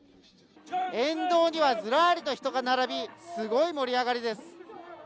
沿道にはずらりと人が並び、すごい盛り上がりです。